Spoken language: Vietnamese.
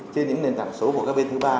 trên những nền tảng số của các bên thứ ba